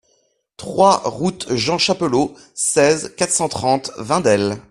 trois route Jean Chapelot, seize, quatre cent trente, Vindelle